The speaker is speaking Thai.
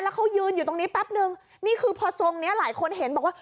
แล้วเขายืนอยู่ตรงนี้แป๊บนึงนี่คือพอทรงนี้หลายคนเห็นบอกว่า